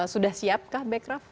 sudah siap kah bekraf